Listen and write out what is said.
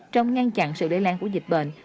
trong ngăn chặn sự đề lan của dịch bệnh